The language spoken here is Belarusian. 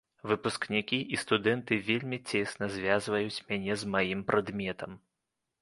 Выпускнікі і студэнты вельмі цесна звязваюць мяне з маім прадметам.